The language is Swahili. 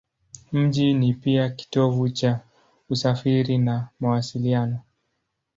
Mji ni pia kitovu cha usafiri na mawasiliano.